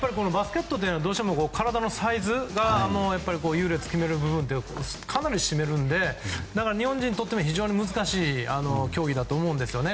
バスケットというのはどうしても体のサイズで優劣を決める部分がかなりを占めるので日本人にとっても非常に難しい競技だと思うんですよね。